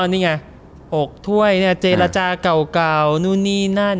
นี่ไง๖ถ้วยเนี่ยเจรจาเก่านู่นนี่นั่น